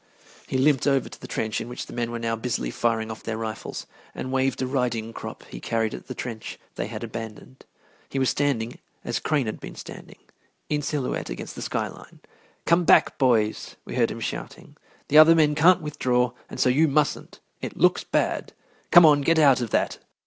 He limped over to the trench in which the men were now busily firing off their rifles and waved a riding crop he carried at the trench they had abandoned. He was standing as Crane had been standing, in silhouette against the sky line. "Come back, boys," we heard him shouting. "The other men can't withdraw, and so you mustn't. It looks bad. Come on, get out of that!"